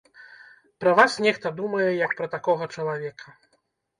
Пра вас нехта думае як пра такога чалавека.